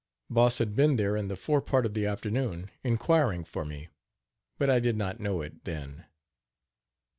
Boss had been there in the fore part of the afternoon inquiring for me, but I did not know it then.